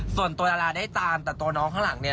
ส่วนตัวดาราได้ตามแต่ตัวน้องข้างหลังเนี่ย